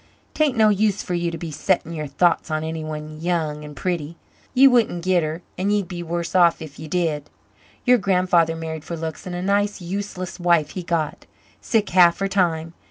'Tain't no use for you to be settin' your thoughts on anyone young and pretty. Ye wouldn't git her and ye'd be worse off if ye did. Your grandfather married for looks, and a nice useless wife he got sick half her time.